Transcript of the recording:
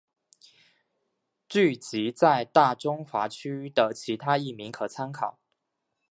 剧集在大中华区的其他译名可参考。